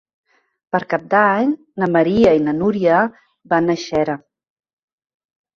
Per Cap d'Any na Maria i na Núria van a Xera.